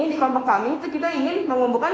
di kelompok kami itu kita ingin mengumpulkan